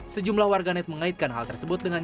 sejumlah warganet mengaitkan hal tersebut dengan